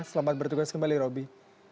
selamat bertugas kembali roby